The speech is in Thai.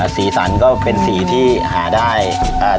สีสันก็เป็นสีที่หาได้ทำธรรมชาติ